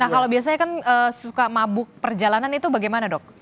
nah kalau biasanya kan suka mabuk perjalanan itu bagaimana dok